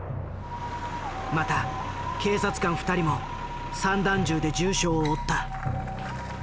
また警察官２人も散弾銃で重傷を負った。